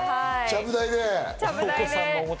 ちゃぶ台で。